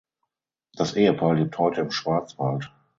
Das Ehepaar lebt heute im Schwarzwald.